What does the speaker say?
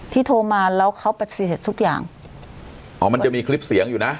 โทรมาแล้วเขาปฏิเสธทุกอย่างอ๋อมันจะมีคลิปเสียงอยู่นะ